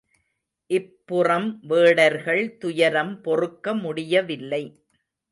இப் புறம் வேடர்கள் துயரம் பொறுக்க முடியவில்லை.